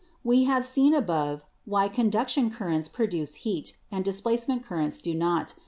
We have seen above why conduction currents pro duce heat and displacement currents do not.